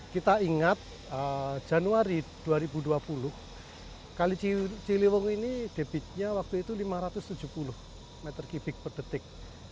kita ingat januari dua ribu dua puluh kali ciliwung ini debitnya waktu itu lima ratus tujuh puluh meter kubik per detik